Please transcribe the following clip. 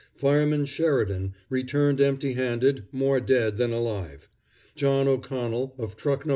Fireman Sheridan returned empty handed, more dead than alive. John O'Connell, of Truck No.